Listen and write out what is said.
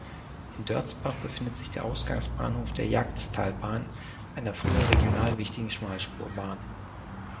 In Dörzbach befindet sich der Ausgangsbahnhof der Jagsttalbahn, einer früher regional wichtigen Schmalspurbahn.